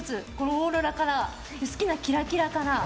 オーロラから好きなキラキラから。